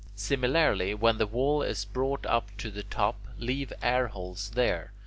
Similarly, when the wall is brought up to the top, leave airholes there.